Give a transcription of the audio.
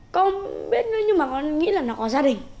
con biết nó nhưng mà con nghĩ là nó có gia đình